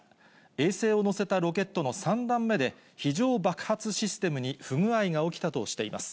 衛星を載せたロケットの３段目で非常爆発システムに不具合が起きたとしています。